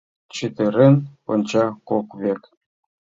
Чытырен онча кок век.